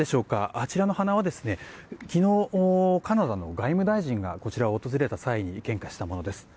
あちらの花輪昨日、カナダの外務大臣がこちらを訪れた際に献花したものです。